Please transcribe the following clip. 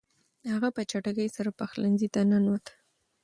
هغه په چټکۍ سره پخلنځي ته ننووت.